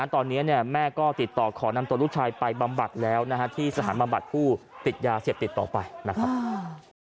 ตอนนี้แม่ก็ติดต่อขอนำตัวลูกชายไปบำบัดแล้วที่สถานบำบัดผู้ติดยาเสพติดต่อไปนะครับ